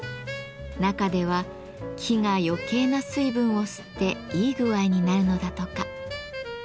中では木が余計な水分を吸っていい具合になるのだとか。